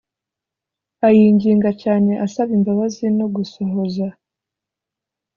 ayinginga cyane asaba imbabazi no gusohoza